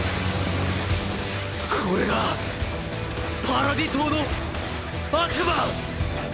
これがパラディ島の悪魔！！